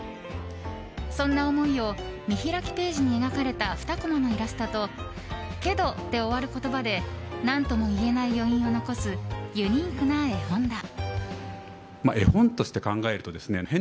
そんな思いを見開きページに描かれた２コマのイラストと「けど」で終わる言葉で何ともいえない余韻を残すユニークな絵本だ。